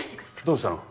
どうしたの？